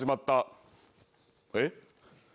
えっ？